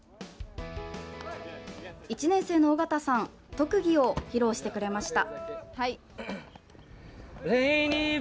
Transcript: １年生の尾形さん特技を披露してくれました。